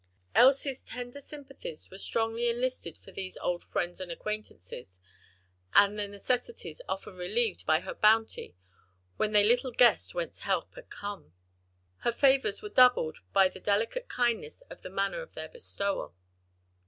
Elsie's tender sympathies were strongly enlisted for these old friends and acquaintances, and their necessities often relieved by her bounty when they little guessed whence help had come. Her favors were doubled by the delicate kindness of the manner of their bestowal.